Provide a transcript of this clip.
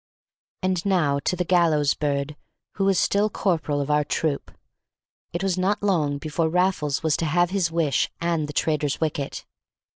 And now to the gallows bird who was still corporal of our troop: it was not long before Raffles was to have his wish and the traitor's wicket.